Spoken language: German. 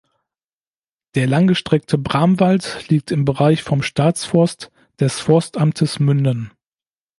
Der langgestreckte Bramwald liegt im Bereich vom Staatsforst des Forstamtes Münden.